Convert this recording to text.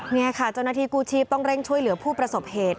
นี่ค่ะเจ้าหน้าที่กู้ชีพต้องเร่งช่วยเหลือผู้ประสบเหตุ